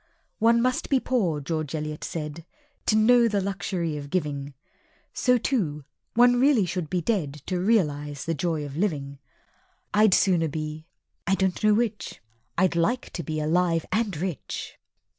"One must be poor," George Eliot said, "To know the luxury of giving;" So too one really should be dead To realize the joy of living. (I'd sooner be I don't know which I'd like to be alive and rich!)